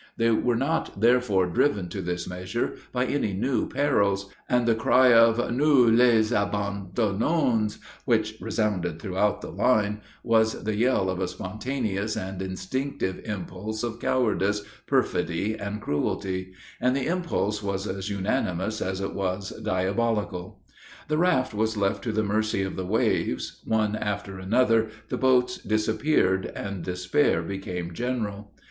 They were not therefore driven to this measure by any new perils; and the cry of "Nous les abandonons!" which resounded throughout the line, was the yell of a spontaneous and instinctive impulse of cowardice, perfidy, and cruelty; and the impulse was as unanimous as it was diabolical. The raft was left to the mercy of the waves; one after another, the boats disappeared, and despair became general.